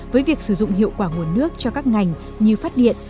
với việc sử dụng hiệu quả nguồn nước cho các ngành như phát điện